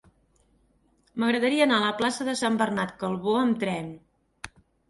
M'agradaria anar a la plaça de Sant Bernat Calbó amb tren.